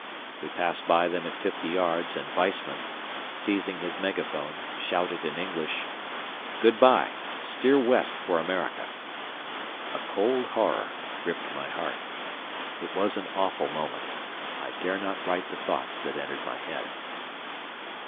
We passed by them at 50 yards and Weissman, seizing his megaphone, shouted in English: "Goodbye! steer west for America!" A cold horror gripped my heart. It was an awful moment. I dare not write the thoughts that entered my head.